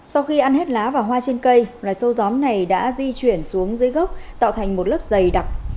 sau khi ăn hết lá và hoa trên cây loài sâu gió này đã di chuyển xuống dưới gốc tạo thành một lớp dày đặc